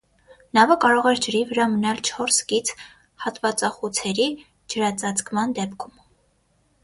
Նավը կարող էր ջրի վրա մնալ չորս կից հատվածախուցերի ջրածածկման դեպքում։